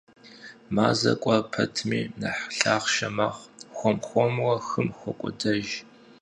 Мазэр кӀуэ пэтми нэхъ лъахъшэ мэхъу, хуэм-хуэмурэ хым хокӀуэдэж.